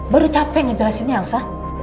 baru capek ngejelasinnya elsa